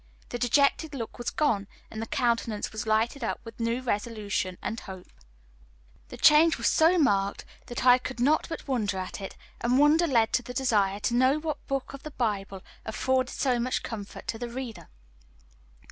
The dejected look was gone, and the countenance was lighted up with new resolution and hope. The change was so marked that I could not but wonder at it, and wonder led to the desire to know what book of the Bible afforded so much comfort to the reader.